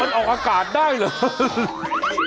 มันออกอากาศได้เหรอ